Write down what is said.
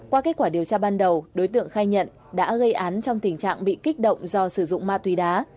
qua kết quả điều tra ban đầu đối tượng khai nhận đã gây án trong tình trạng bị kích động do sử dụng ma túy đá